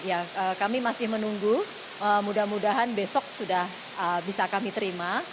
ya kami masih menunggu mudah mudahan besok sudah bisa kami terima